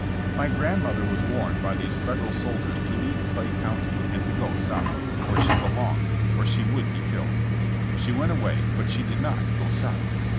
My grandmother was warned by these Federal soldiers to leave Clay County and to go South, '' where she belonged," or she would be killed. She went away but she did not go South.